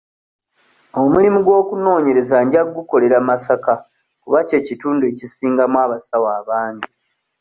Omulimu gw'okunoonyereza nja gukolera Masaka kuba kye kitundu ekisingamu abasawo abangi.